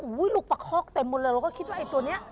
ลูกประคอกเต็มหมดเลยเราก็คิดว่าไอ้ตัวนี้